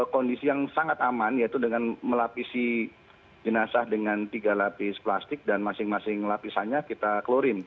kondisi yang sangat aman yaitu dengan melapisi jenazah dengan tiga lapis plastik dan masing masing lapisannya kita klorin